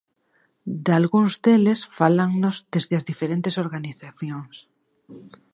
Dalgúns deles fálannos desde as diferentes organizacións.